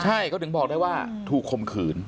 ใช่เขาถึงบอกได้ว่าถูกคมขืน